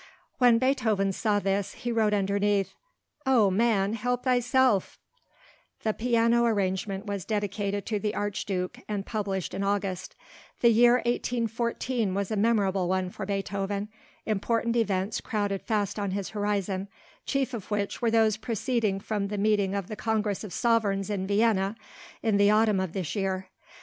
When Beethoven saw this he wrote underneath, "Oh man, help thyself!" The piano arrangement was dedicated to the Archduke and published in August. The year 1814 was a memorable one for Beethoven. Important events crowded fast on his horizon, chief of which were those proceeding from the meeting of the Congress of Sovereigns in Vienna in the autumn of this year.